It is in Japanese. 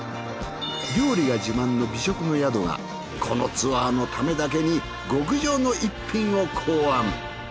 料理が自慢の美食の宿がこのツアーのためだけに極上の一品を考案。